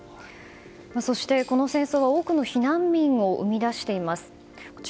そして、この戦争は多くの避難民を生み出しています。